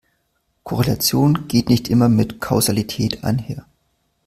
Korrelation geht nicht immer mit Kausalität einher.